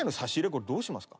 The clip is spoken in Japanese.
これどうしますか？